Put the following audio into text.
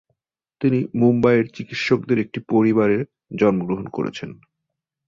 তিনি মুম্বইয়ের চিকিৎসকদের একটি পরিবারে জন্মগ্রহণ করেছেন।